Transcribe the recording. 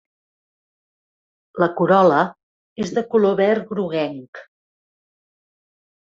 La corol·la és de color verd-groguenc.